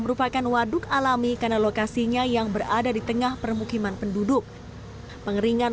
merupakan waduk alami karena lokasinya yang berada di tengah permukiman penduduk pengeringan